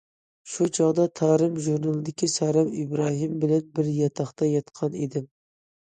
شۇ چاغدا« تارىم» ژۇرنىلىدىكى سارەم ئىبراھىم بىلەن بىر ياتاقتا ياتقان ئىدىم.